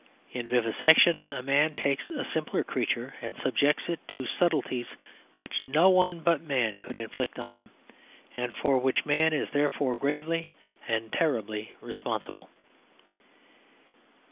In vivisection a man takes a simpler creature and subjects it to subtleties which no one but man could inflict on him, and for which man is therefore gravely and terribly responsible.